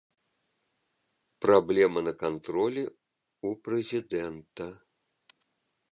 Праблема на кантролі ў прэзідэнта.